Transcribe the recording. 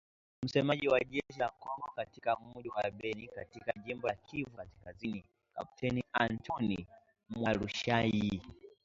Msemaji wa jeshi la Kongo katika mji wa Beni katika jimbo la Kivu Kaskazini, Kepteni Antony Mualushayi.